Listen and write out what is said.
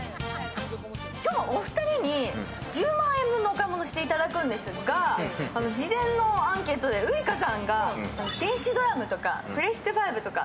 今日はお二人に１０万円分のお買い物をしていただくんですが事前のアンケートでウイカさんが電子ドラムとかプレステ５とか